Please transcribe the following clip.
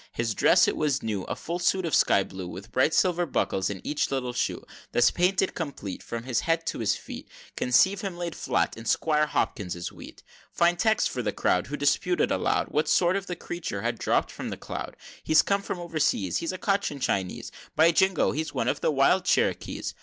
His dress it was new, A full suit of sky blue With bright silver buckles in each little shoe Thus painted complete, From his head to his feet, Conceive him laid flat in Squire Hopkins's wheat. XXIV. Fine text for the crowd! Who disputed aloud What sort of a creature had dropp'd from the cloud "He's come from o'er seas, He's a Cochin Chinese By jingo! he's one of the wild Cherokees!"